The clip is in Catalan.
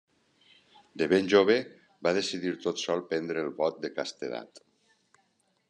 De ben jove, va decidir tot sol prendre el vot de castedat.